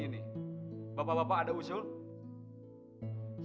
pemborongnya yang akan melaksanakan renovasi masjid ini